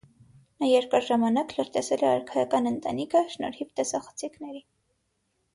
Նա երկար ժամանակ լրտեսել է արքայական ընտանիքը՝ շնորհիվ տեսախցիկների։